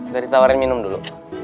gak ditawarin minum dulu